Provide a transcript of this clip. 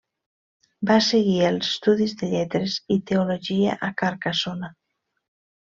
Va seguir els estudis de lletres i teologia a Carcassona.